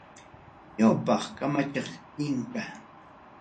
Ñawpaq kamachiq inka.